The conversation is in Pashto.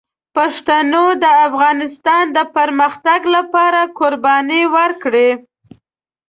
پښتنو د افغانستان د پرمختګ لپاره قربانۍ ورکړي.